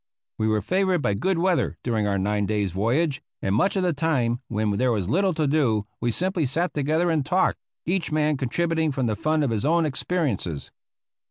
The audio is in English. We were favored by good weather during our nine days' voyage, and much of the time when there was little to do we simply sat together and talked, each man contributing from the fund of his own experiences.